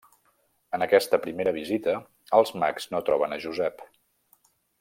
En aquesta primera visita, els mags no troben a Josep.